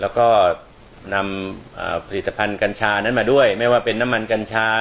แล้วก็นำผลิตภัณฑ์กัญชานั้นมาด้วยไม่ว่าเป็นน้ำมันกัญชา